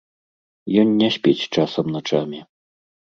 Ён не спіць часам начамі.